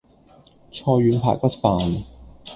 菜遠排骨飯